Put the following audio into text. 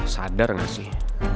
sadar gak sih